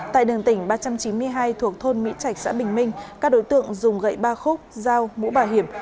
tại đường tỉnh ba trăm chín mươi hai thuộc thôn mỹ trạch xã bình minh các đối tượng dùng gậy ba khúc dao mũ bảo hiểm